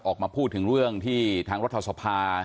ออกมาพูดถึงเรื่องที่ทางรัฐสภา